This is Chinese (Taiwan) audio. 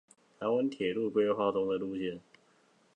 臺灣鐵路規劃中的路線